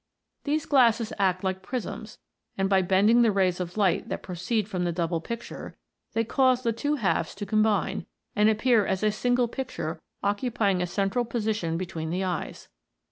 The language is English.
These glasses act like prisms, and by bending the rays of light that proceed from the double picture, they cause the two halves to combine, and appear as a single picture occupying a central position between the eyes.